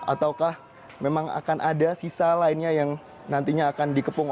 ataukah memang akan ada sisa lainnya yang nantinya akan dikepung